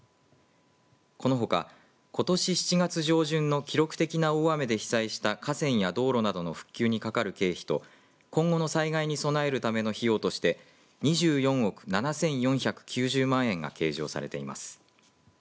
このほか、ことし７月上旬の記録的な大雨で被災した河川や道路などの復旧にかかる経費と今後の災害に備えるための費用として２４億７４９０万円が計上されています。